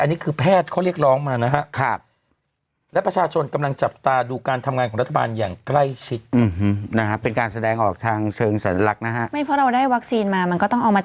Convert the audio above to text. อันนี้คือแพทย์เขาเรียกร้องมานะครับ